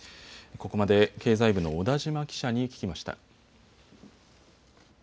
ここまで経済部の小田島記者に聞きました。